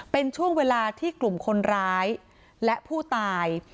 เป็นช่วงเวลาที่กลุ่มคนร้ายและผู้ตาย